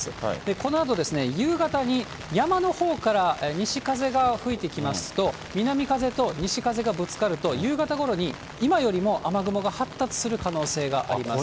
このあと、夕方に山のほうから西風が吹いてきますと、南風と西風がぶつかると、夕方ごろに今よりも雨雲が発達する可能性があります。